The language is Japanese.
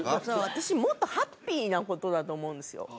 私もっとハッピーなことだと思うんですよ